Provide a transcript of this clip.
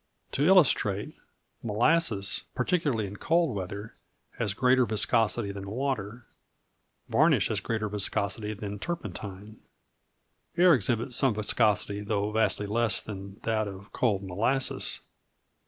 To illustrate: molasses, particularly in cold weather, has greater viscosity than water; varnish has greater viscosity than turpentine. Air exhibits some viscosity, though vastly less than that of cold molasses.